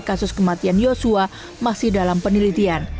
kasus kematian yosua masih dalam penelitian